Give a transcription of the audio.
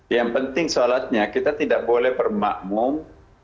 yang penting sholatnya kita tidak boleh bermakmum